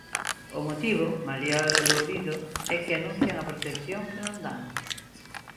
O motivo, Mariola Lourido, é que anuncian a protección que non dan...